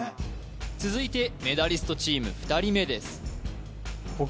続いてメダリストチーム２人目です僕いく？